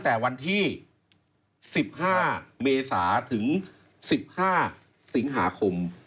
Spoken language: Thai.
แต่วันที่๑๕เมษาถึง๑๕สิงหาคม